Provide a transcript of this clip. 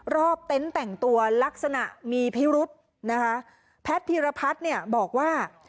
เต็นต์แต่งตัวลักษณะมีพิรุษนะคะแพทย์พีรพัฒน์เนี่ยบอกว่า